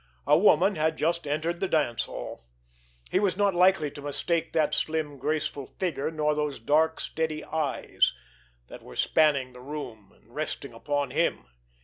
A woman had just entered the dance hall. He was not likely to mistake that slim, graceful figure, nor those dark, steady eyes—that were spanning the room and resting upon him.